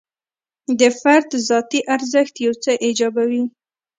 د فرد ذاتي ارزښت یو څه ایجابوي.